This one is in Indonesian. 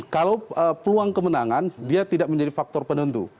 kalau peluang kemenangan dia tidak menjadi faktor penentu